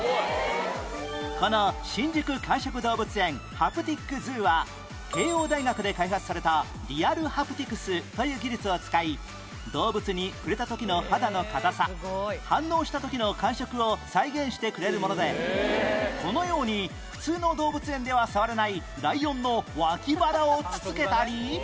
この新宿感触動物園 ＨａｐｔｉｃＺｏｏ は慶應大学で開発されたリアルハプティクスという技術を使い動物に触れた時の肌の硬さ反応した時の感触を再現してくれるものでこのように普通の動物園では触れないライオンの脇腹をつつけたり